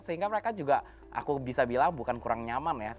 sehingga mereka juga aku bisa bilang bukan kurang nyaman ya